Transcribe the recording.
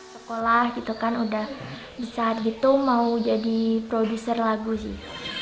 sekolah gitu kan udah bisa gitu mau jadi produser lagu sih